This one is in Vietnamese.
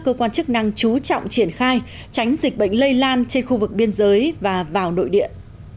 cơ quan chức năng chú trọng triển khai tránh dịch bệnh lây lan trên khu vực biên giới và vào nội điện